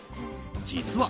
実は「